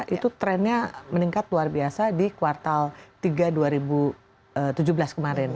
itu trennya meningkat luar biasa di kuartal tiga dua ribu tujuh belas kemarin